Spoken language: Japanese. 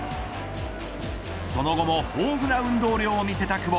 その後も豊富な運動量を見せた久保。